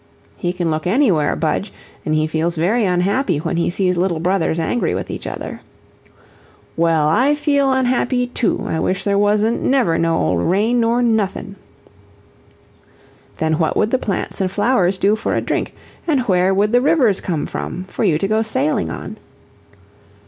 "He can look anywhere, Budge, and he feels very unhappy when he sees little brothers angry with each other." "Well, I feel unhappy, too I wish there wasn't never no old rain, nor nothin'." "Then what would the plants and flowers do for a drink, and where would the rivers come from for you to go sailing on?"